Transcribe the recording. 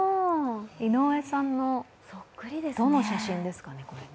井上さんのどの写真ですかね？